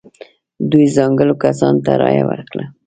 دوی ځانګړو کسانو ته رایه ورکړه.